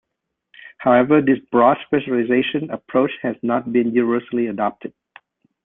However, this "broad specialization" approach has not been universally adopted.